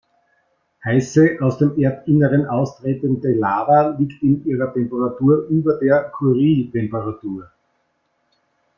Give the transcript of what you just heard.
Heiße, aus dem Erdinneren austretende Lava liegt in ihrer Temperatur über der Curie-Temperatur.